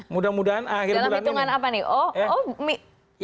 mudah mudahan akhir bulannya dalam hitungan apa nih oh oh